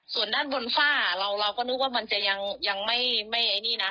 ส่วนด้านบนฝ้าเราก็นึกว่ามันจะยังไม่ไอ้นี่นะ